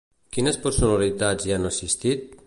Quines personalitats hi han assistit?